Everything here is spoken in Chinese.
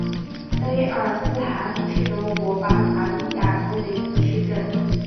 菲尔斯海姆是德国巴伐利亚州的一个市镇。